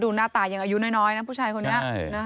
หน้าตายังอายุน้อยนะผู้ชายคนนี้